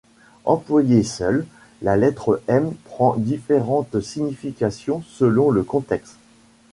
Employée seule, la lettre M prend différentes significations selon le contexte.